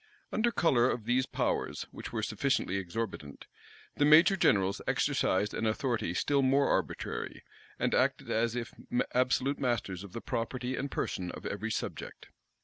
Under color of these powers, which were sufficiently exorbitant, the major generals exercised an authority still more arbitrary, and acted as if absolute masters of the property and person of every subject.